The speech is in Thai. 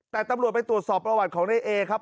แต่ตำรวจไปตรวจสอบประวัติของในเอครับ